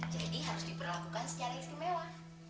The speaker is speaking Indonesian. jadi harus diperlakukan secara istimewa